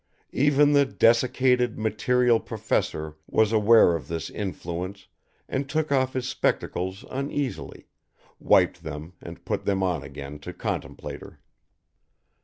Even the desiccated, material Professor was aware of this influence and took off his spectacles uneasily, wiped them and put them on again to contemplate her.